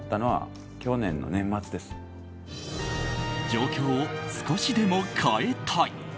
状況を少しでも変えたい。